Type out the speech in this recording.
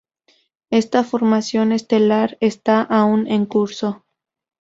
Esta formación estelar está aún en curso.